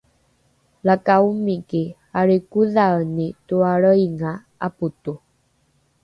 laka omiki alrikodhaeni toalreinga apoto